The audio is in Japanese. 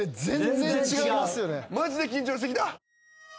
マジで緊張してきた。